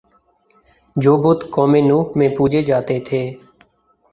جو بت قوم نوح میں پوجے جاتے تھے